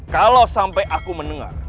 kalau sampai aku mendengar